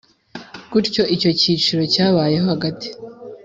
gutyo Icyo kiciro cyabaye hagati